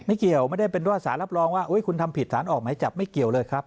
เกี่ยวไม่ได้เป็นว่าสารรับรองว่าคุณทำผิดสารออกหมายจับไม่เกี่ยวเลยครับ